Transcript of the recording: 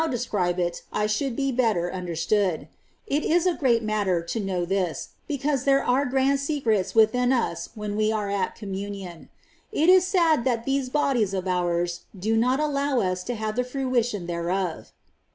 describe it, I should be better understood ; it is a great matter to know this, because there are grand secrets within us when we are at Communion. It is sad that these bodies of ours do not allow us to have the fruition thereof.